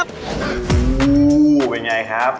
ปุ๊บอู้วเป็นยังไงครับ